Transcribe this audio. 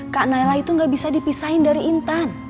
kak nailla itu gak bisa dipisahin dari intan